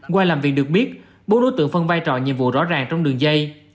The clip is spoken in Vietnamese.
qua làm việc được biết bốn đối tượng phân vai trò nhiệm vụ rõ ràng trong đường dây